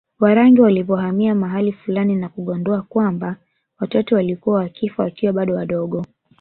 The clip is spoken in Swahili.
Warangi walipohamia mahali fulani na kugundua kwamba watoto walikuwa wakifa wakiwa bado wadogo